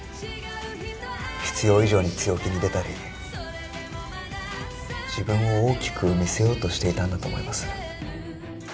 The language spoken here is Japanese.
必要以上に強気に出たり自分を大きく見せようとしていたんだと思います